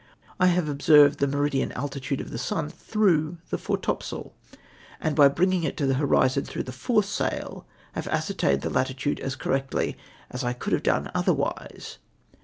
I have observed the meridian altitude of the sun through the foretopsail, and by bringing it to the horizon through the foresail, have ascer tained the latitude as correctly as I could have done other mse.